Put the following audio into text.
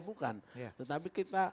bukan tetapi kita